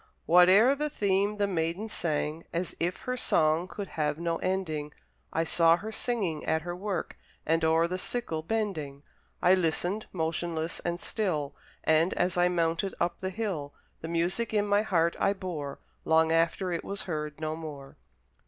Whate'er the theme, the Maiden sang As if her song could have no ending; I saw her singing at her work, And o'er the sickle bending; I listened, motionless and still; And, as I mounted up the hill The music in my heart I bore, Long after it was heard no more.